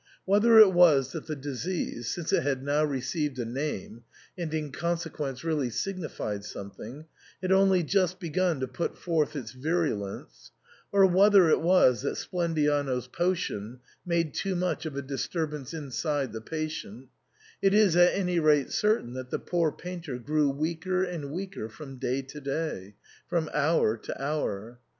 Whether it was that the disease, since it had now received a name, and in consequence really signi fied something, had only just begun to put forth its virulence, or whether it was that Splendiano's potion made too much of a disturbance inside the patient — it is at any rate certain that the poor painter grew weaker and weaker from day to day, from hour to hour.